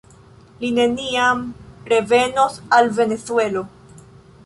Li neniam revenos al Venezuelo.